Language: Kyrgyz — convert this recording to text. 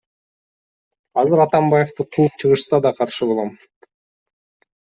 Азыр Атамбаевди кууп чыгышса да каршы болом.